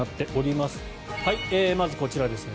まずこちらですね